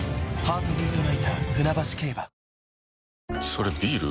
それビール？